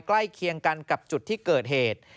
เคียงกันกับจุดที่เกิดเหตุ